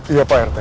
iya pak irte